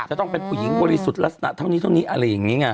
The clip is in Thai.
จะต้องเป็นผู้หญิงบริสุทธิ์ลักษณะเท่านี้เท่านี้อะไรอย่างนี้ไง